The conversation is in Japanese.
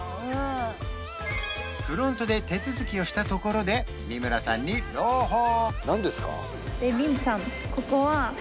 フロントで手続きをしたところで三村さんに朗報！